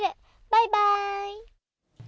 バイバーイ。